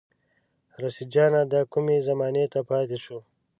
رشيد جانه دا کومې زمانې ته پاتې شو